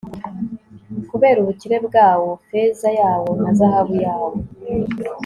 kubera ubukire bwawo, feza yawo na zahabu yawo